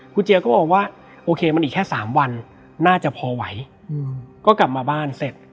คุณเจียก็บอกว่าโอเคมันอีกแค่๓วันน่าจะพอไหวก็กลับมาบ้านเสร็จ